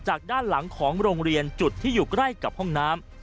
ด้านหลังของโรงเรียนจุดที่อยู่ใกล้กับห้องน้ำ